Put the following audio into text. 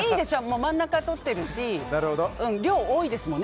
真ん中とってるし量が多いですもんね。